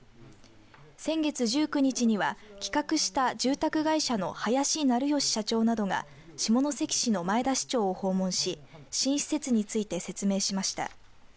先月１９日には企画した住宅会社の林成吉社長などが下関市の前田市長を訪問し新施設について説明しました。